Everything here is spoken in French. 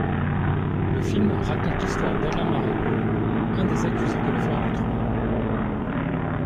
Le film raconte l'histoire d'Alain Marécaux, un des accusés de l'affaire d'Outreau.